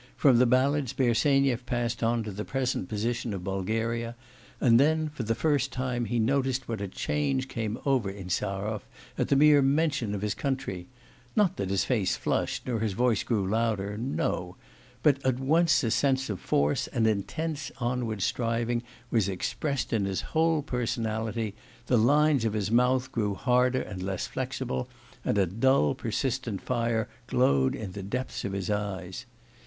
From the ballads Bersenyev passed on to the present position of Bulgaria, and then for the first time he noticed what a change came over Insarov at the mere mention of his country: not that his face flushed nor his voice grew louder no! but at once a sense of force and intense onward striving was expressed in his whole personality, the lines of his mouth grew harder and less flexible, and a dull persistent fire glowed in the depths of his eyes.